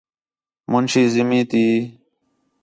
مُنشی زمین تی